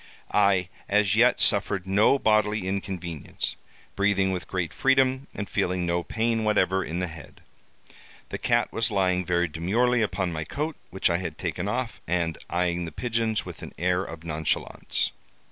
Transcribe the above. I as yet suffered no bodily inconvenience, breathing with great freedom, and feeling no pain whatever in the head. The cat was lying very demurely upon my coat, which I had taken off, and eyeing the pigeons with an air of nonchalance.